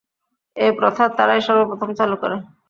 এ প্রথা তারাই সর্বপ্রথম চালু করে।